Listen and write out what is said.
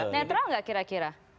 netral enggak kira kira